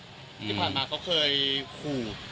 ที่ผ่านมาเขาเคยขู่